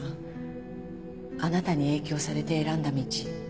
あなたに影響されて選んだ道。